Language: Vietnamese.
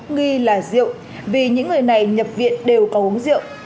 nghi là rượu vì những người này nhập viện đều có uống rượu